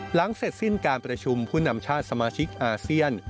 หลังเสร็จสิ้นการประชุมผู้นำชาติสมาชิกอาเซียน